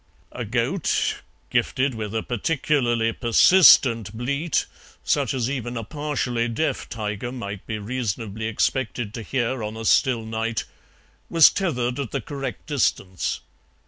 A goat, gifted with a particularly persistent bleat, such as even a partially deaf tiger might be reasonably expected to hear on a still night, was tethered at the correct distance.